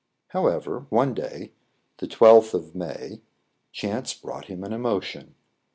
However, one day, the 12th of May, chance brought him an emotion.